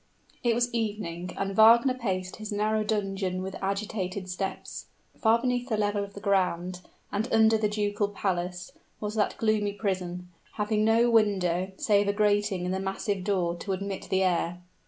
It was evening; and Wagner paced his narrow dungeon with agitated steps. Far beneath the level of the ground, and under the ducal palace, was that gloomy prison, having no window, save a grating in the massive door to admit the air.